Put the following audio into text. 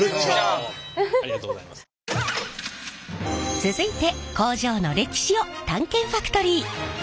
続いて工場の歴史を探検ファクトリー。